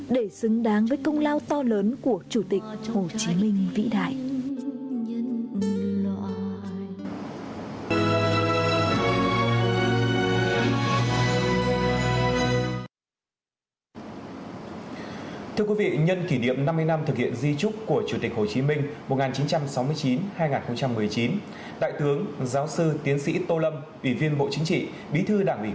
để xứng đáng với công lao to lớn của chủ tịch hồ chí minh vĩ đại